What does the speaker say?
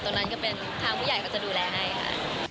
ตรงนั้นก็เป็นทางผู้ใหญ่เขาจะดูแลได้ค่ะ